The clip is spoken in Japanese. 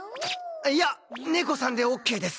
いや猫さんでオッケーです！